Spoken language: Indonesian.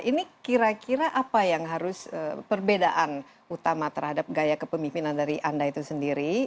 ini kira kira apa yang harus perbedaan utama terhadap gaya kepemimpinan dari anda itu sendiri